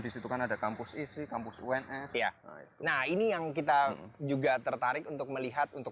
disitu kan ada kampus isi kampus unf ya nah ini yang kita juga tertarik untuk melihat untuk